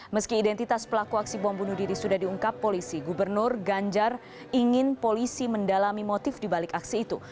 meski identitas pelaku aksi bom bunuh diri sudah diungkap polisi gubernur ganjar ingin polisi mendalami motif dibalik aksi itu